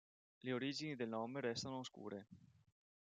Le origini del nome restano oscure.